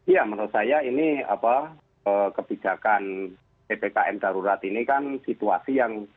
ya menurut saya ini kebijakan ppkm darurat ini kan situasi yang